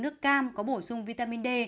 nước cam có bổ sung vitamin d